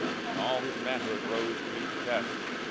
And all his manhood rose to meet the test.